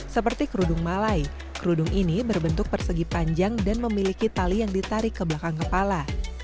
seperti kerudung malai kerudung ini berbentuk persegi panjang dan memiliki tali yang ditarik ke belakang kepala